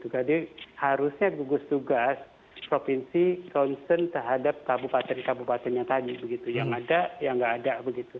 jadi harusnya gugus tugas provinsi concern terhadap kabupaten kabupaten yang tadi yang ada yang tidak ada